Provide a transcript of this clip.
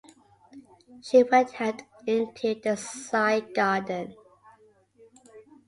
She went out into the side garden.